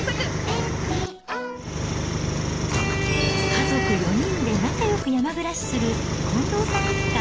家族４人で仲よく山暮らしする近藤さん一家。